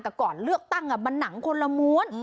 แต่ก่อนเลือกตั้งมันหนังคนละม้วน